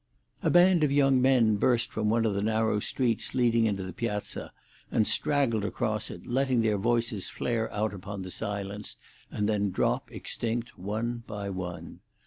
A band of young men burst from one of the narrow streets leading into the piazza and straggled across it, letting their voices flare out upon the silence, and then drop extinct one by one.